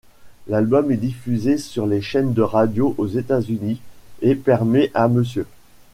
L'album est diffusé sur les chaînes de radio aux États-Unis, et permet à Mr.